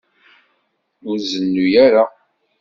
Ur zennu ara.